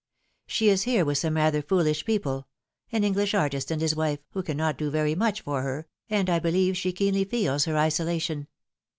She is here with gome rather foolish people an English artist and his wife, who cannot do very much for her, and I believe she keenly feels her isolation.